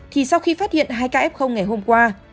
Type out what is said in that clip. thì sau khi phát hiện hai kf ngày hôm qua